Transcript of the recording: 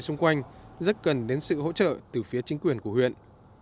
xung quanh rất cần đến sự hỗ trợ từ phía chính quyền của huyện